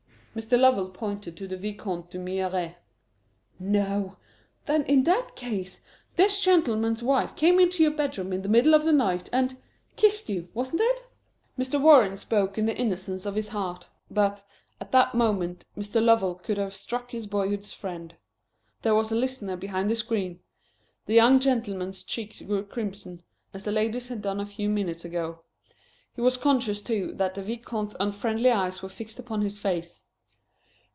Mr. Lovell pointed to the Vicomte d'Humières. "No? Then, in that case, this gentleman's wife came into your bedroom in the middle of the night, and kissed you, wasn't it?" Mr. Warren spoke in the innocence of his heart, but, at that moment, Mr. Lovell could have struck his boyhood's friend. There was a listener behind the screen. The young gentleman's cheeks grew crimson, as the lady's had done a few minutes before. He was conscious, too, that the Vicomte's unfriendly eyes were fixed upon his face.